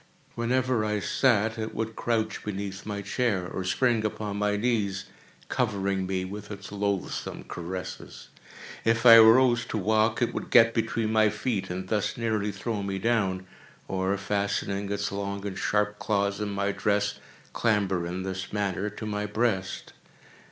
Whenever I sat, it would crouch beneath my chair, or spring upon my knees, covering me with its loathsome caresses. If I arose to walk it would get between my feet and thus nearly throw me down, or, fastening its long and sharp claws in my dress, clamber, in this manner, to my breast.